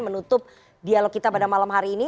menutup dialog kita pada malam hari ini